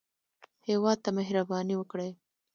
هېواد ته مهرباني وکړئ